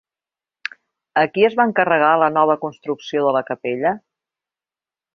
A qui es va encarregar la nova construcció de la capella?